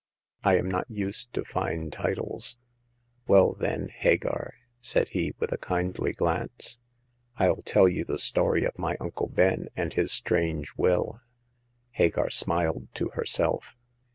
" I am not used to fine titles." *' Well, then, Hagar," said he, with a kindly glance, " FU tell you the story of my Uncle Ben and his strange will." Hagar smiled to herself.